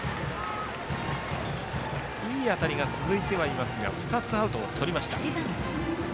いい当たりが続いていますが２つ、アウトをとりました。